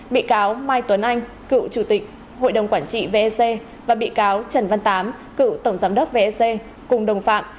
bị cáo mai tuấn anh cựu chủ tịch hội đồng quản trị vec và bị cáo trần văn tám cựu tổng giám đốc vec cùng đồng phạm